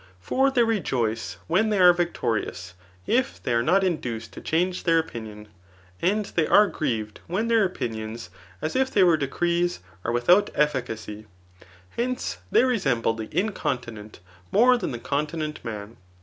For they rejoice when they are victbrious, if they are not in duced to change their opinion, and they are grieved when their opinions, as if they were decrees, are without efficacy. Hence, 'they resemble the incontinent more than the continent man.